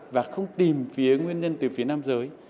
và không tìm phía nguyên nhân từ phía nam giới